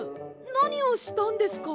なにをしたんですか？